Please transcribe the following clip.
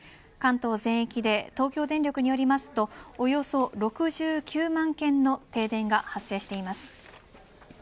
関東全域で東京電力によるとおよそ６９万軒の停電が発生しています。